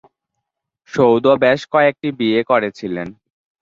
সৌদ বেশ কয়েকটি বিয়ে করেছিলেন।